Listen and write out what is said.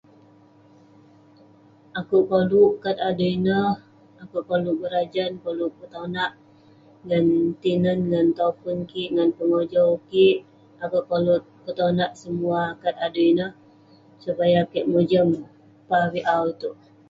Akouk koluk kat adui ineh, akouk berajan koluk petonak, ngan tinen, ngan topun kik, ngan pengojau kik. akouk koluk petonak semua kat adui ineh. Supaya kek mojam pah avik awu itouk.